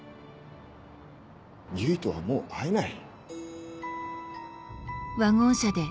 唯とはもう会えない。